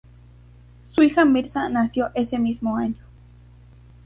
Su hija Mirza nació ese mismo año.